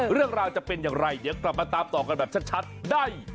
เรื่องราวจะเป็นอย่างไรเดี๋ยวกลับมาตามต่อกันแบบชัดได้